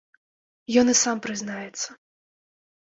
Ён і сам прызнаецца.